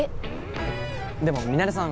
でもミナレさん